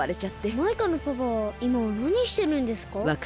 マイカのパパはいまはなにしてるんですか？